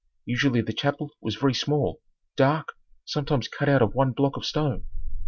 Usually the chapel was very small, dark, sometimes cut out of one block of stone.